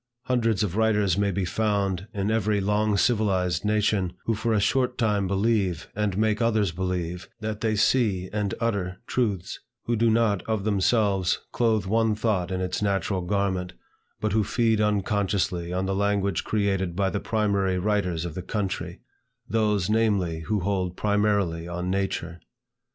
Hundreds of writers may be found in every long civilized nation, who for a short time believe, and make others believe, that they see and utter truths, who do not of themselves clothe one thought in its natural garment, but who feed unconsciously on the language created by the primary writers of the country, those, namely, who hold primarily on nature.